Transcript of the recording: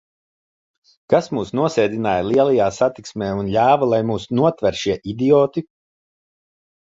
Kas mūs nosēdināja lielajā satiksmē un ļāva, lai mūs notver šie idioti?